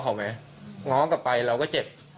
ตอนยังทราบ